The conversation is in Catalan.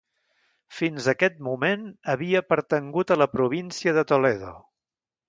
Fins a aquest moment havia pertangut a la província de Toledo.